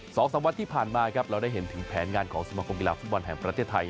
สองสามวันที่ผ่านมาครับเราได้เห็นถึงแผนงานของสมคมกีฬาฟุตบอลแห่งประเทศไทย